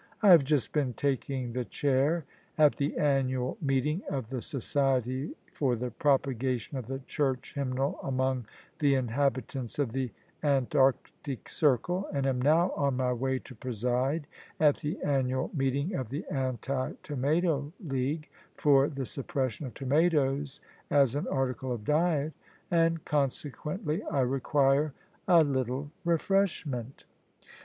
" I have just been taking the chair at the annual meeting of the Society for the Propagation of the Church Hymnal among the inhabitants of the Antarctic Circle, and am now on my way to preside at the annual meeting of the Anti Tomato League, for the suppression of tomatoes as an article of diet: and consequently I require a little refreshment."